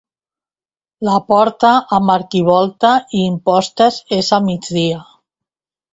La porta, amb arquivolta i impostes, és a migdia.